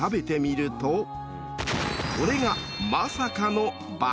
［これがまさかの］